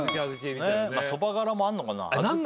そば殻もあんのかな？